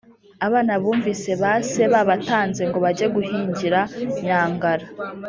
abana bumvise ba se babatanze ngo bajye guhingira nyangara,